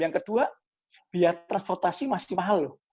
yang kedua biaya transportasi masih mahal loh